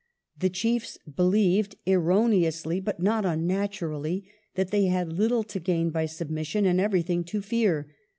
The chiefs believed, erroneously but not unnaturally, that they had little to gain by submission and everything to fear.